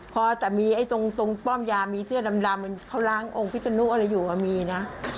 ก็มีไอ้ทงป้อมยามมีเสื้อนำเขาร้างโรงพิจารณุอะไรอยู่อะมีนะ